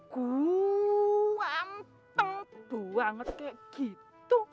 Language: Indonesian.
ganteng duang kayak gitu